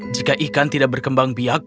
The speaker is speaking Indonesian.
jika ikan tidak berkembang biak